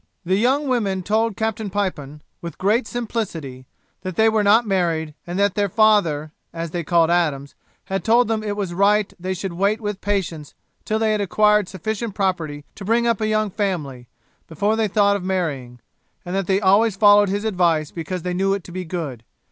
The young women told Captain Pipon, with great simplicity, that they were not married, and that their father, as they called Adams, had told them it was right they should wait with patience till they had acquired sufficient property to bring up a young family, before they thought of marrying; and that they always followed his advice because they knew it to be good.